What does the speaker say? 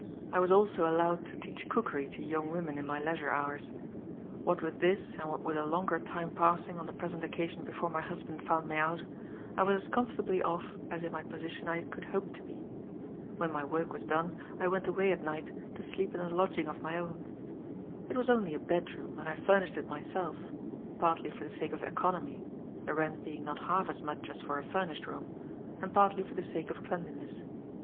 I was also allowed to teach cookery to young women, in my leisure hours. What with this, and what with a longer time passing on the present occasion before my husband found me out, I was as comfortably off as in my position I could hope to be. When my work was done, I went away at night to sleep in a lodging of my own. It was only a bedroom; and I furnished it myself partly for the sake of economy (the rent being not half as much as for a furnished room); and partly for the sake of cleanliness.